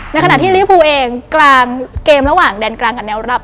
ในขณะที่ลิฟูเองกลางเกมระหว่างแดนกลางกับแนวรับ